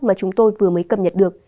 mà chúng tôi vừa mới cập nhật được